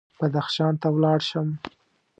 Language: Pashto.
بدخشان ته ولاړ شم.